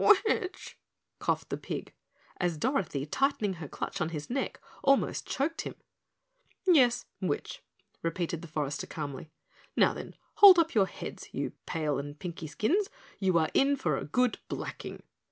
"Witch?" coughed the pig, as Dorothy, tightening her clutch on his neck, almost choked him. "Yes, witch," repeated the forester calmly. "Now, then, hold up your heads, you pale and pinky skins, for you are in for a good blacking."